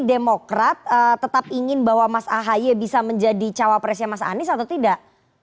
demokrat tetap ingin bahwa mas ahy bisa menjadi cawapresnya mas anies atau tidak